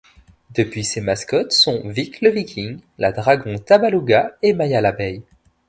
Depuis ses mascottes sont Vic le Viking, la dragon Tabaluga et Maya l'abeille.